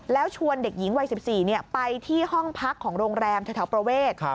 แล้วชวนเด็กหญิงวัย๑๔ไปที่ห้องพักของโรงแรมแถวประเวท